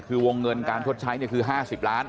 คือวงเงินการชดใช้คือ๕๐ล้าน